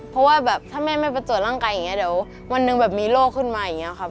เพราะว่าแบบถ้าแม่ไม่ไปตรวจร่างกายอย่างนี้เดี๋ยววันหนึ่งแบบมีโรคขึ้นมาอย่างนี้ครับ